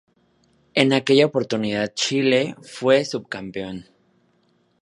En aquella oportunidad Chile, fue subcampeón.